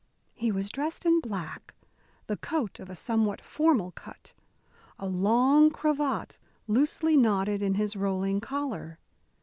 He was dressed in black, the coat of a somewhat formal cut, a long cravat loosely knotted in his rolling collar.